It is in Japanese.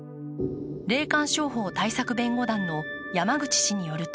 霊感商法対策弁護団の山口氏によると